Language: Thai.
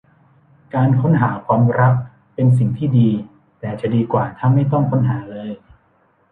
การค้นหาความรักเป็นสิ่งที่ดี แต่จะดีกว่าถ้าไม่ต้องค้นหาเลย